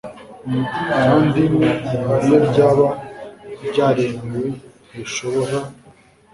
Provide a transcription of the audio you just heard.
kandi n iyo ryaba ryaremewe ntirishobora